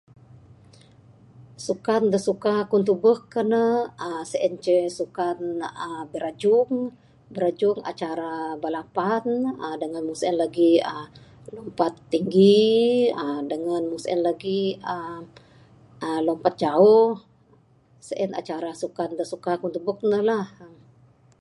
Sukan da suka aku tebek ene aaa sien ceh suka aaa birajung, birajung acara balapan aaa dengan meng sien lagi aaa lompat tinggi aaa dengen meng sien lagi aaa lompat jauh, sien acara sukan da suka ku tebek ne lah ha.